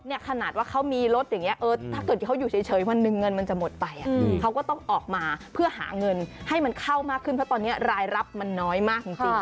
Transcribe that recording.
ขนาดว่าเขามีรถอย่างนี้ถ้าเกิดเขาอยู่เฉยวันหนึ่งเงินมันจะหมดไปเขาก็ต้องออกมาเพื่อหาเงินให้มันเข้ามากขึ้นเพราะตอนนี้รายรับมันน้อยมากจริง